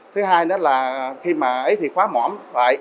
thứ hai nữa là khi mà ấy thì khóa mỏm lại